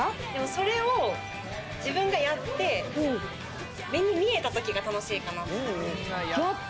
それを自分がやって目に見えたときが楽しいかな。